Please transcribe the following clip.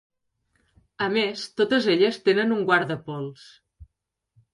A més, totes elles tenen un guardapols.